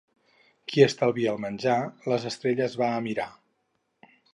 Qui estalvia el menjar les estrelles va a mirar.